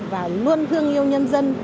và luôn thương yêu nhân dân